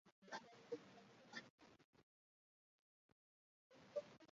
诗威林主教座堂是位于德国城市诗威林的一座主教座堂。